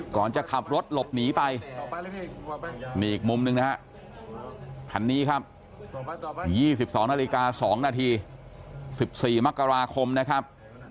ก่อนจะขับรถหลบหนีไปนี่อีกมุมหนึ่งนะฮะคันนี้ครับ๒๒นาฬิกา๒นาที๑๔มกราคมนะครับ